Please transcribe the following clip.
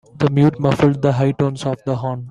The mute muffled the high tones of the horn.